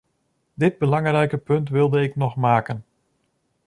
Dit belangrijke punt wilde ik nog maken.